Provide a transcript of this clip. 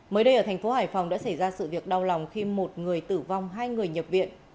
mới đây ở thành phố hải phòng đã xảy ra sự việc đau lòng khi một người tử vong hai người nhập viện